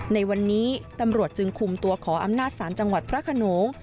ในวันนี้ตำรวจจึงคุมตัวขออำนาจศาลจังหวัดพระขนง